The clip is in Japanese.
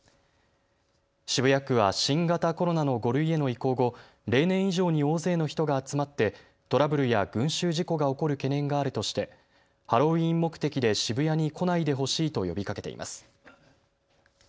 渋谷区は新型コロナの５類への移行後、例年以上に大勢の人が集まってトラブルや群集事故が起こる懸念があるとしてハロウィーン目的で渋谷に来ないでほしいと呼びかけています。